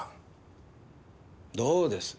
どうです？